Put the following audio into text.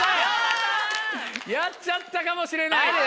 やっちゃったかもしれない！